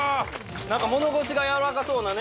なんか物腰がやわらかそうなね。